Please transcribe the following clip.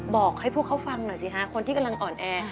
บอกให้พวกเขาฟังหน่อยสิคะคนที่กำลังอ่อนแอ